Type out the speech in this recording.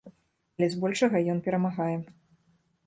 Але збольшага ён перамагае.